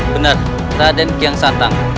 benar raden kian santang